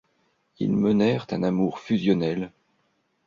Ils menèrent un amour fusionnel.